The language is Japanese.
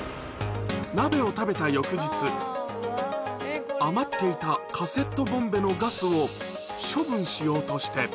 鍋を食べた翌日、余っていたカセットボンベのガスを処分しようとして。